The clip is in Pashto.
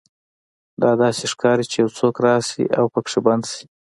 دا داسې ښکاري چې یو څوک راشي او پکې بند شي